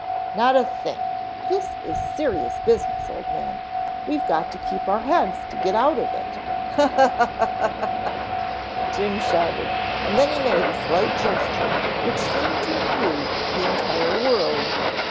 "Not a thing. This is a serious business, Old Man, we've got to keep our heads to get out of it." "Ha ha haaahahhhaaa," shouted Jim, then he made a slight gesture which seemed to include the entire world.